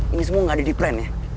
ini semua nggak ada di plan ya